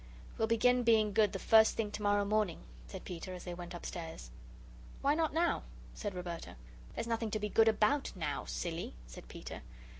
"We'll begin being good the first thing tomorrow morning," said Peter, as they went upstairs. "Why not NOW?" said Roberta. "There's nothing to be good ABOUT now, silly," said Peter.